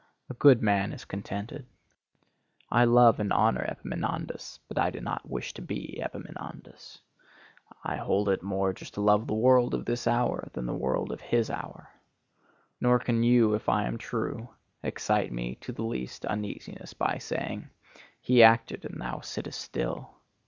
A good man is contented. I love and honor Epaminondas, but I do not wish to be Epaminondas. I hold it more just to love the world of this hour than the world of his hour. Nor can you, if I am true, excite me to the least uneasiness by saying, 'He acted and thou sittest still.